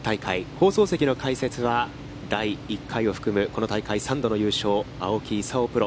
放送席の解説は、第１回を含む、この大会３度の優勝、青木功プロ。